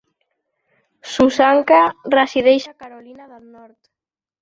Susanka resideix a Carolina del Nord.